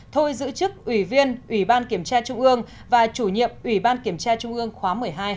thôi giữ chức ủy viên ủy ban kiểm tra trung ương và chủ nhiệm ủy ban kiểm tra trung ương khóa một mươi hai